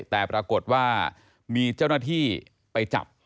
แต่ปรากฏว่ามีเจ้าหน้าที่ไปจับ